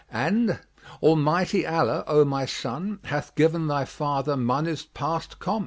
And "Almighty Allah, O my son, hath given thy father monies past compt."